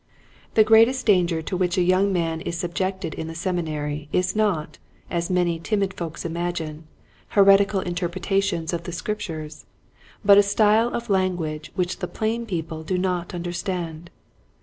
The greatest danger to which a young man is subjected in the Seminary, is not, as many timid folks imagine, heretical in terpretations of the Scriptures but a style of language which the plain people do not understand.